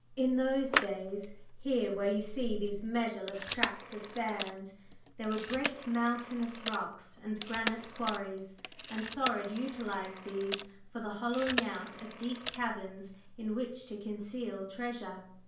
In those days, here where you see these measureless tracts of sand, there were great mountainous rocks and granite quarries, and Saurid utilized these for the hollowing out of deep caverns in which to conceal treasure.